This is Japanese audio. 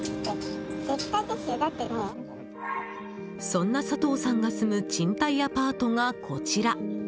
そんな佐藤さんが住む賃貸アパートがこちら。